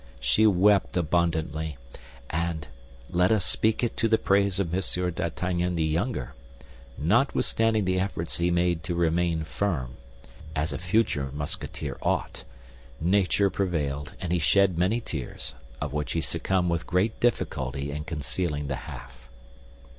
She wept abundantly; and—let us speak it to the praise of M. d'Artagnan the younger—notwithstanding the efforts he made to remain firm, as a future Musketeer ought, nature prevailed, and he shed many tears, of which he succeeded with great difficulty in concealing the half.